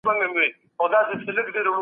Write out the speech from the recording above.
ولي د زده کړي حق بنسټیز دی؟